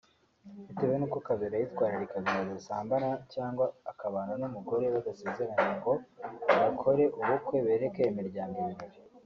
Bitewe n’uko Kabera yitwararikaga ngo atazasambana cyangwa akabana n’umugore badasezeranye ngo bakore ubukwe bereke imiryango ibirori